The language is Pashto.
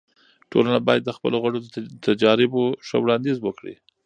ټولنه باید د خپلو غړو د تجاريبو ښه وړاندیز وکړي.